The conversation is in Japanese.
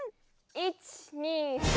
１２３！